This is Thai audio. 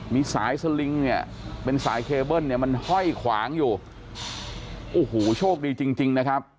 มีสายสลิงเป็นสายเคเบิ้ลมันห้อยขวางอยู่โอ้โหโชคดีจริง